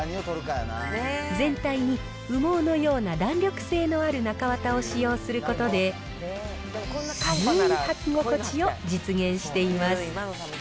全体に羽毛のような弾力性のある中綿を使用することで、軽ーい履き心地を実現しています。